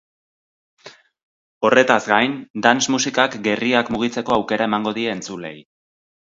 Horretaz gain, dance musikak gerriak mugitzeko aukera emango die entzuleei.